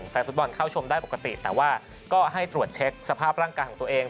แฟนฟุตบอลเข้าชมได้ปกติแต่ว่าก็ให้ตรวจเช็คสภาพร่างกายของตัวเอง